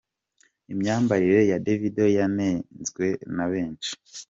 Imyambarire ya Davido yanenzwe na benshi.